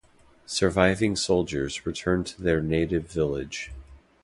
Surviving soldiers return to their native village.